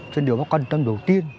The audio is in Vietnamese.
cho nên điều bác quan tâm đầu tiên